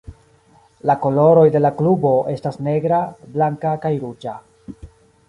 La koloroj de la klubo estas negra, blanka, kaj ruĝa.